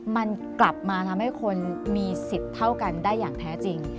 มันกลับมาทำให้คนมีสิทธิ์เท่ากันได้อย่างแท้จริง